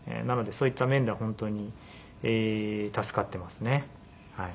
なのでそういった面では本当に助かってますね。